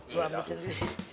lu hampir sendiri